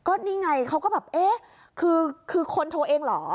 ก็นี่ไงเขาก็แบบเอ๊ะคือคนโทรเองเหรอ